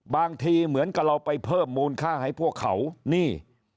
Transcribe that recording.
บางทีเหมือนกับเราไปเพิ่มมูลค่าให้พวกเขานี่